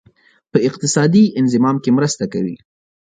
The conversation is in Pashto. په اقتصادي انضمام کې مرسته کوي.